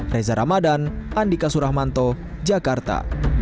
reza ramadan andika suramanto jakarta